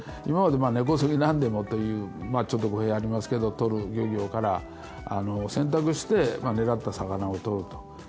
今まで根こそぎ何でもというまあちょっと語弊ありますけど獲る漁業からあの選択して狙った魚を獲ると。